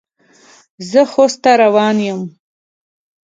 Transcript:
زه خوست ته روان یم.